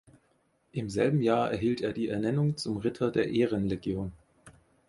Im selben Jahr erhielt er die Ernennung zum Ritter der Ehrenlegion.